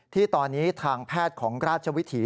ที่ตอนนี้ทางแพทย์ของราชวิถี